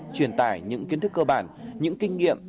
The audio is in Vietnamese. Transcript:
truyền tải những kiến thức cơ bản những kinh nghiệm